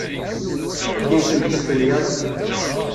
Anda ay tent-testenyaḍ?